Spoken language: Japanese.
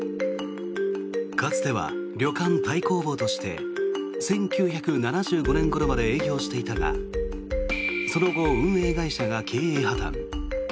かつては旅館、太公望として１９７５年ごろまで営業していたがその後、運営会社が経営破たん。